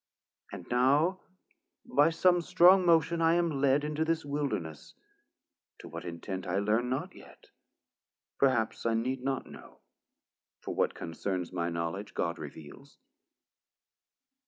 And now by some strong motion I am led 290 Into this wilderness, to what intent I learn not yet, perhaps I need not know; For what concerns my knowledge God reveals.